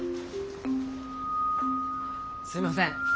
すいません。